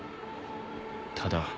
ただ。